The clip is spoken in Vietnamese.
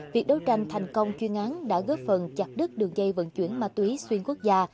việc đấu tranh thành công chuyên án đã góp phần chặt đứt đường dây vận chuyển ma túy xuyên quốc gia